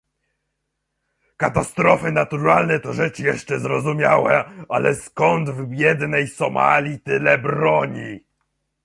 Katastrofy naturalne to rzecz jeszcze zrozumiała, ale skąd w biednej Somalii tyle broni?